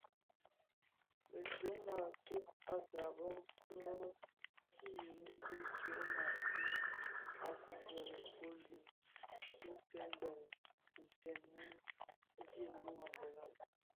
Bi tyoma ti a Gabon loň ti irig bi tyoma ti a Kongo Léo Paul Ville zugtèn bi ndem wu dhim wu a Angola.